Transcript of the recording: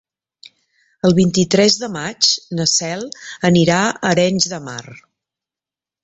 El vint-i-tres de maig na Cel anirà a Arenys de Mar.